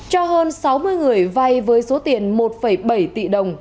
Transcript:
cho hơn sáu mươi người vay với số tiền một bảy tỷ đồng